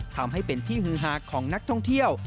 ทำให้เป็นที่ฮือฮาของนักท่องเที่ยว